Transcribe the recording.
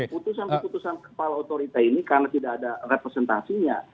putusan keputusan kepala otorita ini karena tidak ada representasinya